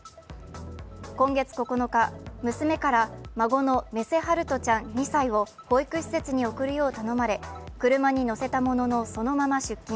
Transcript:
今月９日、娘から孫の目瀬陽翔ちゃん２歳を保育施設に送るよう頼まれ、車に乗せたもののそのまま出勤。